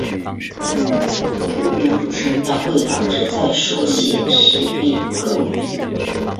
不标注声调会导致在书写时理困难。